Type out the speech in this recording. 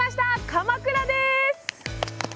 鎌倉です！